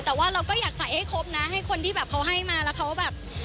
แต่ว่าเราก็อยากใส่ให้ครบนะให้คนที่แบบเขาให้มาแล้วเขาแบบ